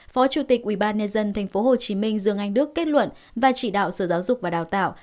phó chủ tịch ubnd tp hcm dương anh đức kết luận và chỉ đạo sở giáo dục và đào tạo